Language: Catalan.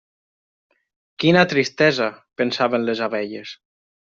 Quina tristesa!, pensaven les abelles.